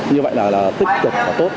như vậy là tích cực và tốt